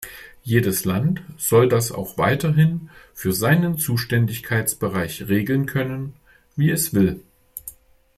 Jedes Land soll das auch weiterhin für seinen Zuständigkeitsbereich regeln können, wie es will.